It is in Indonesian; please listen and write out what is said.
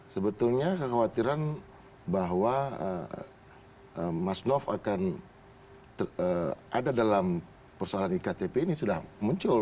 sebetulnya kekhawatiran bahwa mas nof akan ada dalam persoalan iktp ini sudah muncul